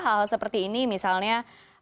hal hal seperti ini misalnya